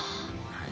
はい。